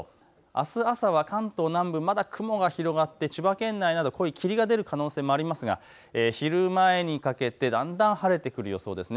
あす朝は関東南部、まだ雲が広がって千葉県内など濃い霧が出る可能性もありますが昼前にかけてだんだん晴れてくる予想です。